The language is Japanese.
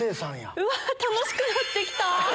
うわっ、楽しくなってきた。